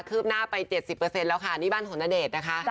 คือหน้าไป๗๐เปอร์เซ็นต์แล้วค่ะนี่บ้านของนเดรชนะคะ